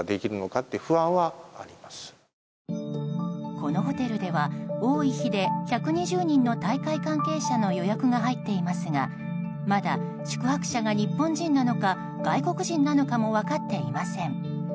このホテルでは多い日で１２０人の大会関係者の予約が入っていますがまだ宿泊者が日本人なのか外国人なのかも分かっていません。